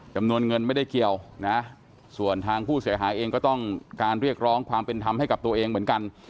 จำนวนเงินไม่ได้เกี่ยวนะส่วนทางผู้เสียหายเองก็ต้องการเรียกร้องความเป็นธรรมให้กับตัวเองเหมือนกัน